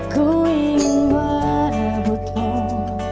ku ingin berbutuh